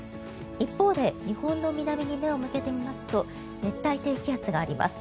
一方で、日本の南に目を向けてみますと熱帯低気圧があります。